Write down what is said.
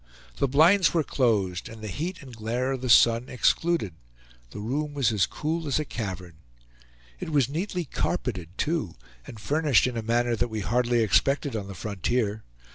The blinds were closed, and the heat and glare of the sun excluded; the room was as cool as a cavern. It was neatly carpeted too and furnished in a manner that we hardly expected on the frontier.